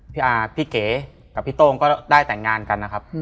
พี่เก๋กับพี่โต้งก็ได้แต่งงานกันนะครับ